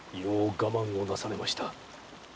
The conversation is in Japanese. よう我慢をなされました。